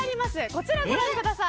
こちらご覧ください。